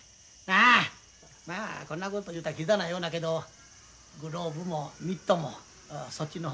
あまあこんなこと言うたらキザなようやけどグローブもミットもそっちの方